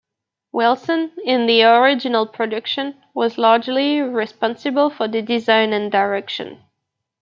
Wilson, in the original production, was largely responsible for the design and direction.